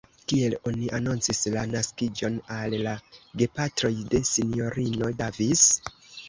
Kiel oni anoncis la naskiĝon al la gepatroj de S-ino Davis?